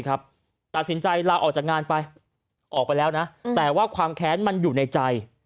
ตัดสินใจลาออกจากงานไปออกไปแล้วนะแต่ว่าความแค้นมันอยู่ในใจ